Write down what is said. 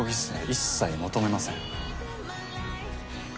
一切求めません。